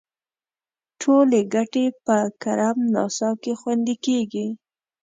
ټولې ګټې په کرم ناسا کې خوندي کیږي.